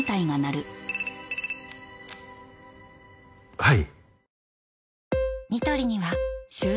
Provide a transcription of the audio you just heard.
はい。